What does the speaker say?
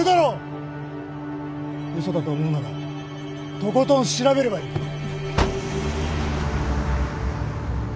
うそだと思うならとことん調べればいい。